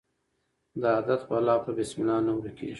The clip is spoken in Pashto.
د عادت بلا په بسم الله نه ورکیږي.